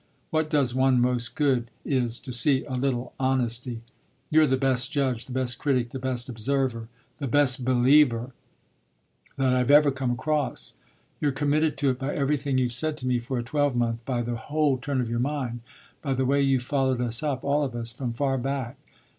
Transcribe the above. What does one most good is to see a little honesty. You're the best judge, the best critic, the best observer, the best believer, that I've ever come across: you're committed to it by everything you've said to me for a twelvemonth, by the whole turn of your mind, by the way you've followed us up, all of us, from far back.